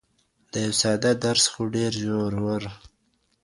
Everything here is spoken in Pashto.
یو ساده درس خو ډېر ژور.